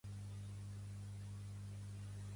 Pertany al moviment independentista l'Esther?